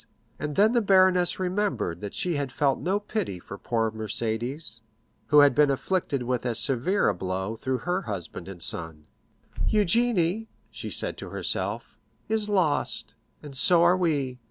And then the baroness remembered that she had felt no pity for poor Mercédès, who had been afflicted with as severe a blow through her husband and son. "Eugénie," she said to herself, "is lost, and so are we.